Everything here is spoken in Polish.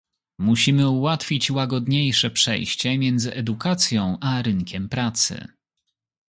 Musimy ułatwić łagodniejsze przejście między edukacją a rynkiem pracy